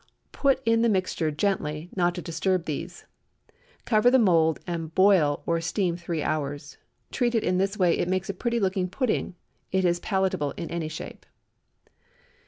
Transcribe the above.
Put in the mixture gently, not to disturb these; cover the mould and boil or steam three hours. Treated in this way, it makes a pretty looking pudding. It is palatable in any shape.